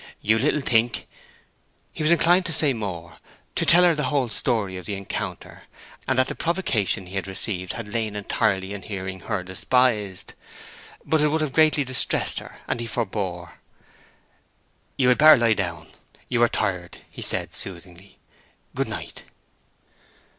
You little think—" He was inclined to say more—to tell her the whole story of the encounter, and that the provocation he had received had lain entirely in hearing her despised. But it would have greatly distressed her, and he forbore. "You had better lie down. You are tired," he said, soothingly. "Good night."